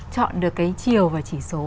chọn được cái chiều và chỉ số